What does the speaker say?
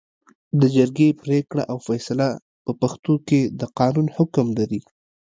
د جرګې پرېکړه او فېصله په پښتو کې د قانون حکم لري